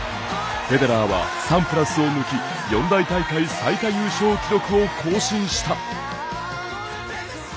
フェデラーはサンプラスを抜き四大大会最多優勝記録を更新した。